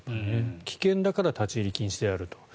危険だから立ち入り禁止であると。